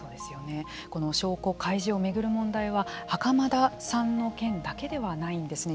この証拠開示を巡る問題は袴田さんの件だけではないんですね。